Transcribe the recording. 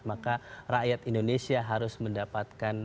maka rakyat indonesia harus mendapatkan